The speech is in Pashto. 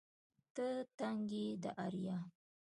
ته ننگ يې د اريا